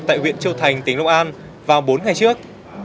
tại huyện châu thành tỉnh long an vào bốn ngày trước